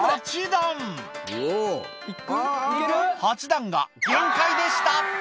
「８段が限界でした」